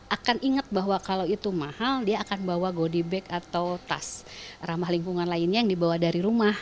akan ingat bahwa kalau itu mahal dia akan bawa godiback atau tas ramah lingkungan lainnya yang dibawa dari rumah